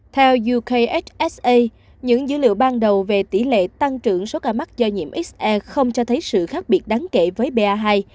theo youksa những dữ liệu ban đầu về tỷ lệ tăng trưởng số ca mắc do nhiễm xr không cho thấy sự khác biệt đáng kể với ba hai